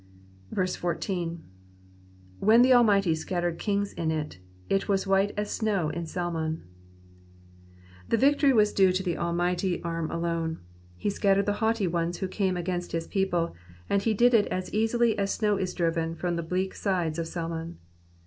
14. ^^When tJie almighty scattered kings in it, it was white as snow in Salmon.'''' The victory was due to the Almighty arm alone ; he scattered the haughty ones who came against his people, and he did it as easily as snow is driven from the bleak sides of Salmon.